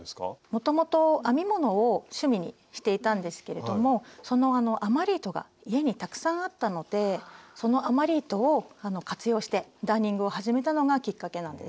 もともと編み物を趣味にしていたんですけれどもその余り糸が家にたくさんあったのでその余り糸を活用してダーニングを始めたのがきっかけなんです。